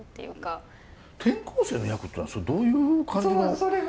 転校生の役っていうのはそれどういう感じのあれで。